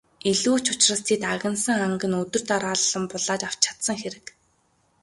Илүү ч учраас тэд агнасан анг нь өдөр дараалан булааж авч чадсан хэрэг.